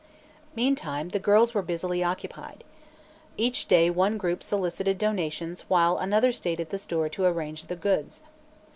Meantime, the girls were busily occupied. Each day one group solicited donations while another stayed at the store to arrange the goods.